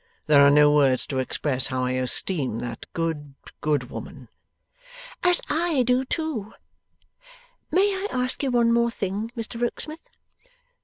There are no words to express how I esteem that good, good woman.' 'As I do too! May I ask you one thing more, Mr Rokesmith?